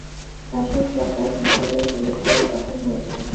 কাসেম সর্দার পিস্তলের গুলি খেয়ে জখম হয়েছে।